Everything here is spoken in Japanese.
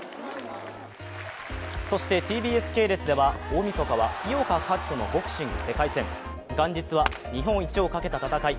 そしてＴＢＳ系列では大みそかは井岡一翔のボクシング世界戦、元日は日本一をかけた戦い